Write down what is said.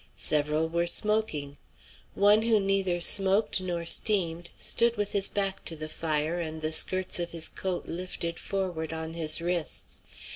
Several were smoking. One who neither smoked nor steamed stood with his back to the fire and the skirts of his coat lifted forward on his wrists.